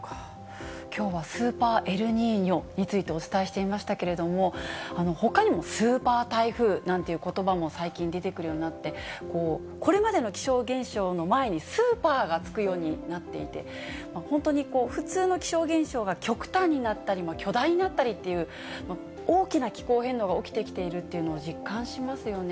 きょうはスーパーエルニーニョについてお伝えしていましたけれども、ほかにもスーパー台風なんてことばも最近、出てくるようになって、これまでの気象現象の前にスーパーがつくようになっていて、本当に普通の気象現象が極端になったりも、巨大になったりっていう、大きな気候変動が起きてきているっていうのを実感しますよね。